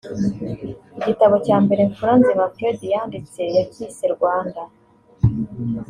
Igitabo cya mbere Mfuranzima Fred yanditse yacyise 'Rwanda